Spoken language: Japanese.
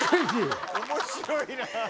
面白いな！